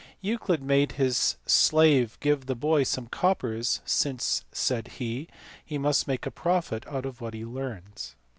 7 Euclid made his slave give the boy some coppers, " since," said he, " he must make a profit out of what he learns."